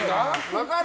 分かる？